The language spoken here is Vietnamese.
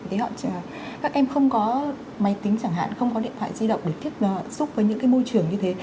thế các em không có máy tính chẳng hạn không có điện thoại di động để tiếp xúc với những cái môi trường như thế